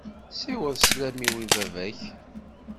Siweḍ sslam-iw i baba-k.